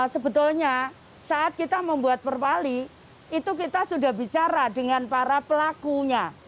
sebetulnya saat kita membuat perwali itu kita sudah bicara dengan para pelakunya